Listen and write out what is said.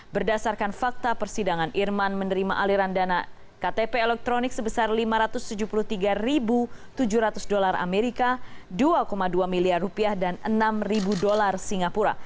berdasarkan fakta persidangan irman menerima aliran dana ktp elektronik sebesar lima ratus tujuh puluh tiga tujuh ratus dolar amerika dua dua miliar rupiah dan enam dolar singapura